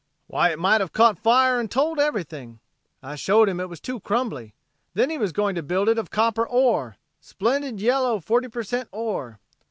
"Why it might have caught fire and told everything. I showed him it was too crumbly. Then he was going to build it of copper ore splendid yellow forty per cent ore.